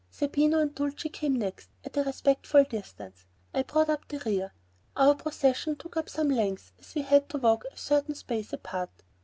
Zerbino and Dulcie came next, at a respectful distance. I brought up the rear. Our procession took up some length as we had to walk a certain space apart.